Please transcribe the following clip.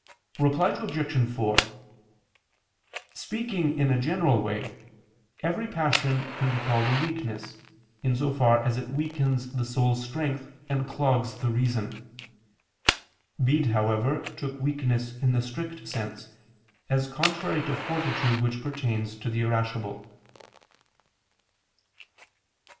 Reply Obj. 4: Speaking in a general way, every passion can be called a weakness, in so far as it weakens the soul's strength and clogs the reason. Bede, however, took weakness in the strict sense, as contrary to fortitude which pertains to the irascible.